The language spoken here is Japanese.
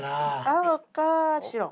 青か白。